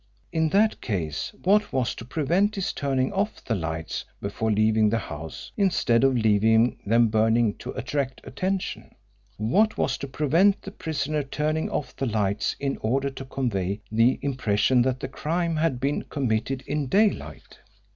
In that case what was to prevent his turning off the lights before leaving the house instead of leaving them burning to attract attention? What was to prevent the prisoner turning off the lights in order to convey the impression that the crime had been committed in daylight?